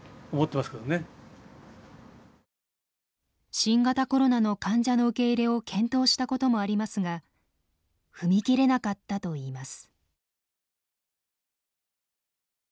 新型コロナの患者の受け入れを検討したこともありますが踏み切れなかったといいます。